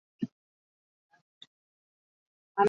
Bada garaia horri buelta emateko, baina ez du erraza izango.